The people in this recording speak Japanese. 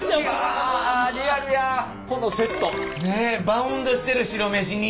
バウンドしてる白飯に。